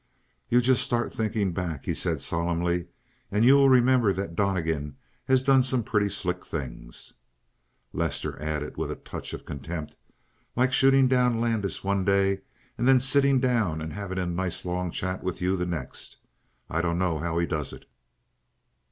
"You just start thinkin' back," he said solemnly, "and you'll remember that Donnegan has done some pretty slick things." Lester added with a touch of contempt: "Like shootin' down Landis one day and then sittin' down and havin' a nice long chat with you the next. I dunno how he does it."